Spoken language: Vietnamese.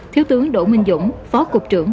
thiếu tướng đỗ minh dũng phó cục trưởng